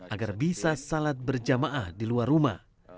agar bisa salat berjamaah di luar rumah